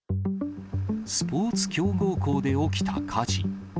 スポーツ強豪校で起きた火事。